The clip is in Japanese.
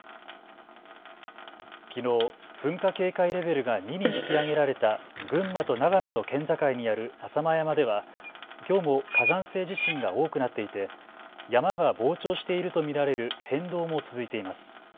きのう、噴火警戒レベルが２に引き上げられた群馬と長野の県境にある浅間山ではきょうも火山性地震が多くなっていて山が膨張していると見られる変動も続いています。